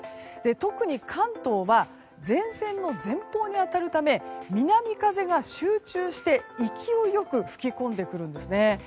特に関東は前線の前方に当たるため南風が集中して、勢いよく吹き込んでくるんですね。